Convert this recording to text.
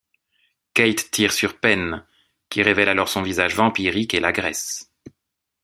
Kate tire sur Penn, qui révèle alors son visage vampirique et l'agresse.